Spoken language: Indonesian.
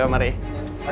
aku mah nggak mau